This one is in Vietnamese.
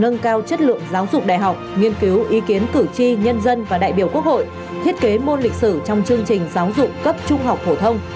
nhiên cứu ý kiến cử tri nhân dân và đại biểu quốc hội thiết kế môn lịch sử trong chương trình giáo dục cấp trung học hổ thông